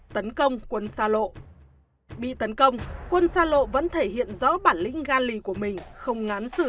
tấn công quân sa lộ bị tấn công quân sa lộ vẫn thể hiện rõ bản lĩnh gan lì của mình không ngán sử